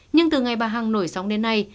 nhưng từ ngày bà hằng nổi sóng đến nay